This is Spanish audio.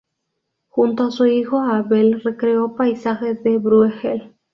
Junto a su hijo Abel recreó paisajes de Brueghel.